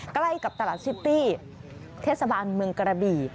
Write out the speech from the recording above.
ใกล้กับตลาดซิตี้เทศบาลเมืองกระบี่